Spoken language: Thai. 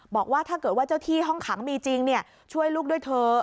บอกว่าถ้าเกิดว่าเจ้าที่ห้องขังมีจริงช่วยลูกด้วยเถอะ